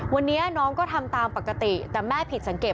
วันนี้น้องก็ทำตามปกติแต่แม่ผิดสังเกต